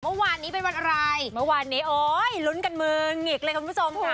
เมื่อวานนี้เป็นวันอะไรเมื่อวานนี้โอ๊ยลุ้นกันมือหงิกเลยคุณผู้ชมค่ะ